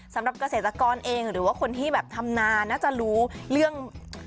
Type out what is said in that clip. สำหรับเกษตรกรเองหรือว่าคนที่แบบทำนาน่าจะรู้เรื่อง